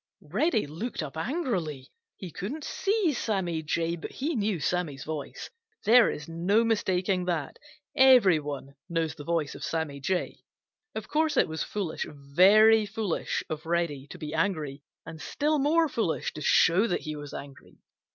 Reddy looked up angrily. He couldn't see Sammy Jay, but he knew Sammy's voice. There is no mistaking that. Everybody knows the voice of Sammy Jay. Of course it was foolish, very foolish of Reddy to be angry, and still more foolish to show that he was angry.